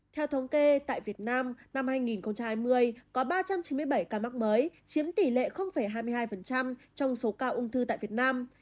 theo thống kê tại việt nam năm hai nghìn hai mươi có ba trăm chín mươi bảy ca mắc mới chiếm tỷ lệ hai mươi hai trong số ca ung thư tại việt nam